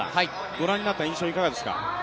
ご覧になった印象はいかがですか？